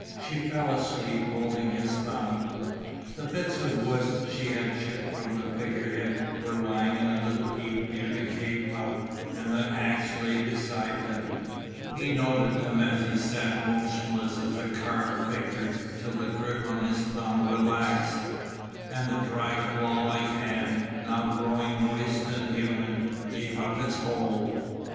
She fell asleep holding his thumb. The bits of wood she had chipped from the figure head were lying in a little heap near the cave mouth and the axe lay beside them. He noted them as he sat motionless as a carved figure till the grip on his thumb relaxed, and the dry claw like hand, now growing moist and human, gave up its hold.